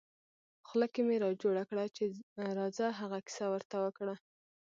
خوله کې مې را جوړه کړه چې راځه هغه کیسه ور ته وکړه.